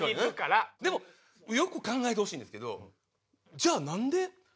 でもよく考えてほしいんですけど「じゃあなんで歌ってんの？」